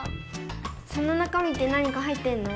その中身って何か入ってんの？